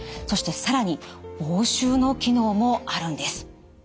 そして更に防臭の機能もあるんです。